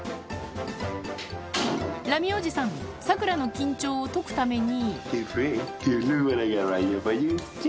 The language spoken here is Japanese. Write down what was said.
ラミおじさん、サクラの緊張を解くために。